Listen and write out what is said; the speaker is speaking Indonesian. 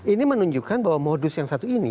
ini menunjukkan bahwa modus yang satu ini